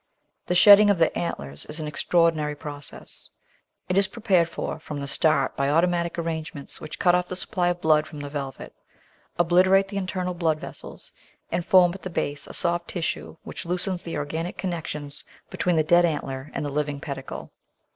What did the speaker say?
The shedding of the antlers is an extraordinary process. It is prepared for from the start by automatic arrangements which cut off the supply of blood from the velvet, obliterate the internal blood vessels, and form at the base a soft tissue which loosens the organic connections between the dead antler and the living ped icle.